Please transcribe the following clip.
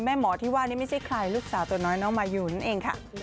หมอที่ว่านี่ไม่ใช่ใครลูกสาวตัวน้อยน้องมายูนั่นเองค่ะ